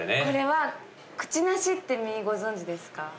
これはクチナシって実ご存じですか？